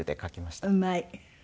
うまい！